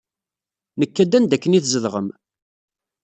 Nekka-d anda akken i tzedɣem.